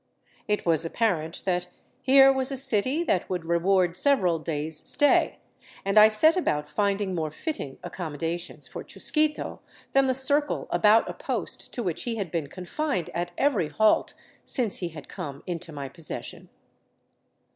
It was apparent that here was a city that would reward several days' stay, and I set about finding more fitting accommo dations for Chusquito than the circle about a post to which he had been confined at every halt since he had come into my possession.